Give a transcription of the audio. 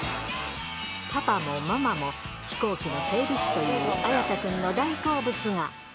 パパもママも、飛行機の整備士という綾太くんの大好物が。